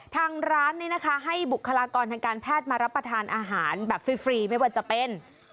ทางร้านนี้นะคะให้บุคลากรทางการแพทย์มารับประทานอาหารแบบฟรีไม่ว่าจะเป็น